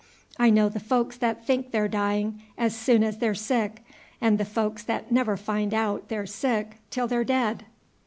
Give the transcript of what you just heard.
I know the folks that think they're dying as soon as they're sick, and the folks that never find out they 're sick till they're dead.